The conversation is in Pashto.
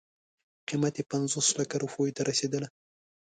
قیمت یې پنځوس لکو روپیو ته رسېدله.